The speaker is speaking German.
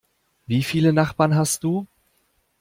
Wie viele Nachbarn hast du?